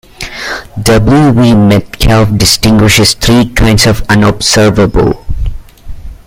W. V. Metcalf distinguishes three kinds of unobservables.